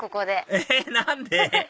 えっ何で？